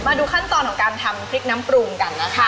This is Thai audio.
มาดูขั้นตอนของการทำพริกน้ำปรุงกันนะคะ